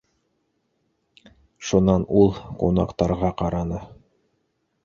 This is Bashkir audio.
Шунан ул ҡунаҡтарға ҡараны.